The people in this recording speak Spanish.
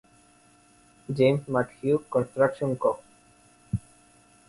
James McHugh Construction Co.